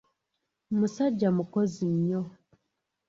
Musajja mukozi nnyo.